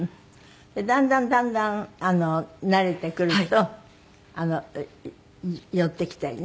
だんだんだんだん慣れてくると寄ってきたりね。